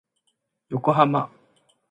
横浜